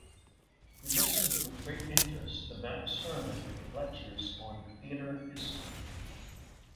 He listened with great interest to Max Herrmann lectures on theatre history.